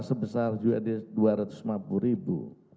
sebesar juga dua ratus lima puluh ribu